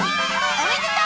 おめでとう！